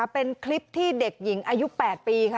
เป็นคลิปที่เด็กหญิงอายุ๘ปีค่ะ